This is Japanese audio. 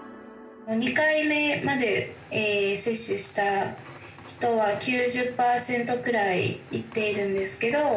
２回目まで接種した人は９０パーセントくらいいっているんですけど。